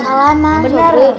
salaman ya bro